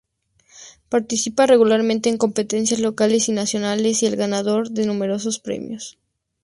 Participa regularmente en competencias locales y nacionales y es el ganador de numerosos premios.